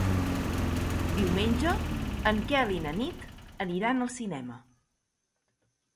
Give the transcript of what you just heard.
Diumenge en Quel i na Nit aniran al cinema.